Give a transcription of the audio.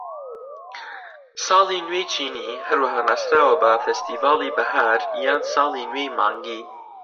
ساڵی نوێی چینی هەروەها ناسراوە بە فێستیڤاڵی بەهار یان ساڵی نوێی مانگی.